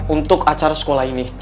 untuk acara sekolah ini